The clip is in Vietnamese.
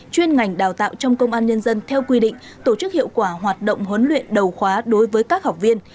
chuyên ngành đào tạo trong công an nhân dân theo quy định tổ chức hiệu quả hoạt động huấn luyện đầu khóa đối với các học viên